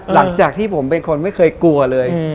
หลังจากที่ผมเป็นคนไม่เคยกลัวเลย